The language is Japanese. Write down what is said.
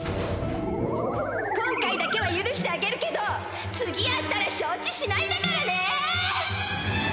今回だけはゆるしてあげるけど次会ったらしょうちしないんだからね！